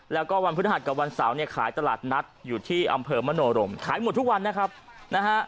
แล้วก็วันพฤหัสกับวันเสาร์เนี่ยขายตลาดนัดอยู่ที่อำเภอมโนรมขายหมดทุกวันนะครับนะฮะ